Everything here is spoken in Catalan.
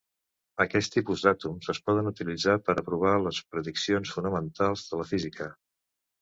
Aquest tipus d'àtoms es poden utilitzar per a provar les prediccions fonamentals de la física.